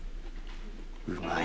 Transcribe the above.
うまい。